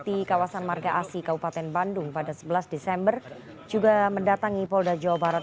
di kawasan marga asi kabupaten bandung pada sebelas desember juga mendatangi polda jawa barat